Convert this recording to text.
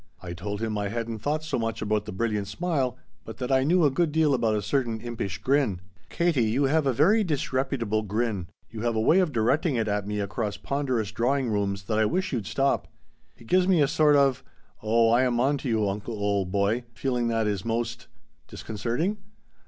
I told him I hadn't thought so much about the brilliant smile, but that I knew a good deal about a certain impish grin. Katie, you have a very disreputable grin. You have a way of directing it at me across ponderous drawing rooms that I wish you'd stop. It gives me a sort of 'Oh I am on to you, uncle old boy' feeling that is most " "Disconcerting?"